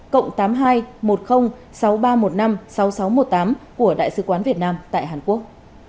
cộng tám mươi hai một mươi sáu nghìn ba trăm một mươi năm sáu nghìn sáu trăm một mươi tám của đại sứ quán việt nam tại hàn quốc